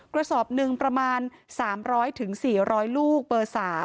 กระสอบหนึ่งประมาณ๓๐๐๔๐๐ลูกเบอร์๓